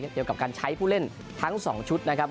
เกี่ยวกับการใช้ผู้เล่นทั้ง๒ชุดนะครับ